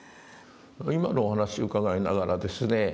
今のお話を伺いながらですね